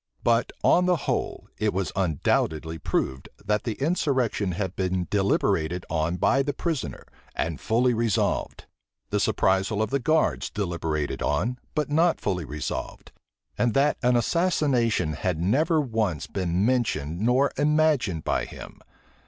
But, on the whole, it was undoubtedly proved, that the insurrection had been deliberated on by the prisoner, and fully resolved; the surprisal of the guards deliberated on, but not fully resolved; and that an assassination had never once been mentioned nor imagined by him.